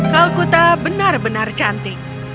calcutta benar benar cantik